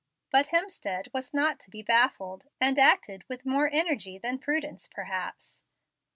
But Hemstead was not to be baffled, and acted with more energy than prudence perhaps.